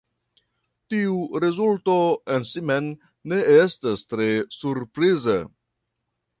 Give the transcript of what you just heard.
Tiu rezulto en si mem ne estas tre surpriza.